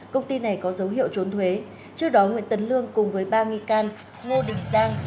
công ty này có dấu hiệu trốn thuế trước đó nguyễn tấn lương cùng với ba nghi can ngô đình giang